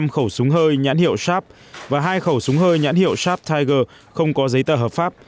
năm khẩu súng hơi nhãn hiệu sharp và hai khẩu súng hơi nhãn hiệu sharp tiger không có giấy tờ hợp pháp